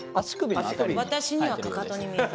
私にはかかとに見えたんです。